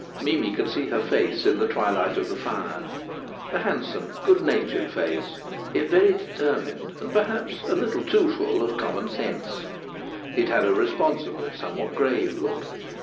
Mimi could see her face in the twilight of the fire. A handsome, good natured face; yet very determined, and perhaps a little too full of common sense. It had a responsible, somewhat grave look.